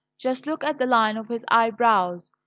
Just look at the line of his eyebrows!